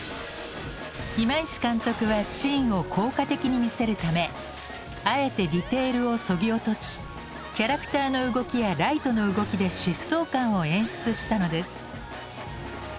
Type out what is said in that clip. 今石監督はシーンを効果的に見せるためあえてディテールをそぎ落としキャラクターの動きやライトの動きで疾走感を演出したのです。